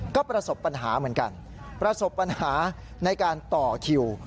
ก็ประสบปัญหาเหมือนกันประสบปัญหาในการต่อคิว